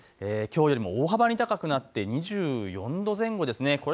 きょうよりも大幅に高くなって２４度前後ですね。